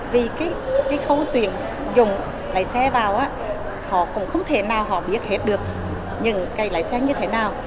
vì cái khâu tuyển dùng lái xe vào á họ cũng không thể nào họ biết hết được những cái lái xe như thế nào